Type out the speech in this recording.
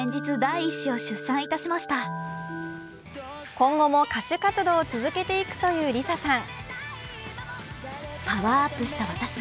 今後も歌手活動を続けていくというＬｉＳＡさん。